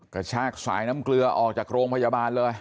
กระชากสายน้ำเกลือออกจากโรงพยาบาลเลย